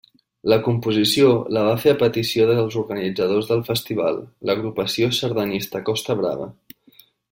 La composició la va fer a petició dels organitzadors del festival, l'Agrupació Sardanista Costa Brava.